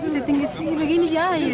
sehingga ini saja